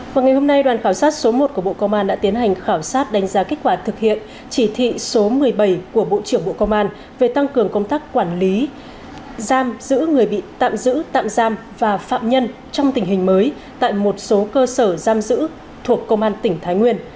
vào ngày hôm nay đoàn khảo sát số một của bộ công an đã tiến hành khảo sát đánh giá kết quả thực hiện chỉ thị số một mươi bảy của bộ trưởng bộ công an về tăng cường công tác quản lý giam giữ người bị tạm giữ tạm giam và phạm nhân trong tình hình mới tại một số cơ sở giam giữ thuộc công an tỉnh thái nguyên